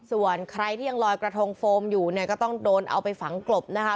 ส่วนใครที่ยังลอยกระทงโฟมอยู่เนี่ยก็ต้องโดนเอาไปฝังกลบนะคะ